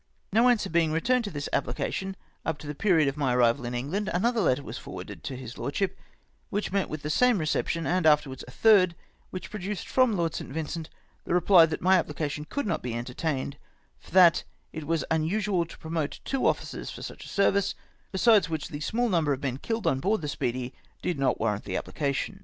No answer being returned to this ap phcation, up to the period of my arrival in England, another letter was forwarded to liis lordship, which met with the same reception, and afterwards a tliii'd, which produced from Lord St. Vincent the reply that my apphcation could not be entertamed, for that " it was unusual to promote two officers for such a service, — besides which the small number of men killed on board the S]?eedy did not warrant the application."